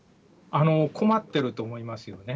困ってると思います。